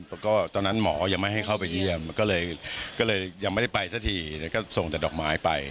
แล้วก็ตอนนั้นหมอยังไม่ให้เข้าไปเยี่ยมก็เลยยังไม่ได้ไปสักทีแล้วก็ส่งแต่ดอกไม้ไป